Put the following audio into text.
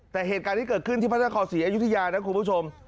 แต่เหตุการณ์ที่เกิดขึ้นที่พระนครศรีอยุธยานะคุณผู้ชม